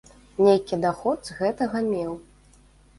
Нейкі даход з гэтага меў.